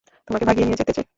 তোমাকে ভাগিয়ে নিয়ে যেতে চাই।